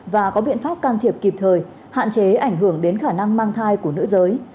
và có biện pháp can thiệp kịp thời hạn chế ảnh hưởng đến khả năng mang thai của nữ giới